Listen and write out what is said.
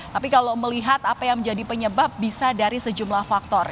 tapi kalau melihat apa yang menjadi penyebab bisa dari sejumlah faktor